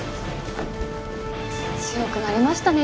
強くなりましたね